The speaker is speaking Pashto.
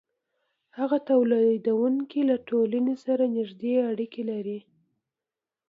هغه تولیدونکی له ټولنې سره نږدې اړیکې لري